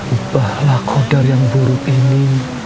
ubahlah kodar yang buruk ini